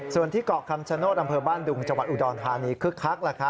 ส่วนที่เกาะคำชะโน่ดอำเภอบ้านดุงจอุดรทานีคึกคัก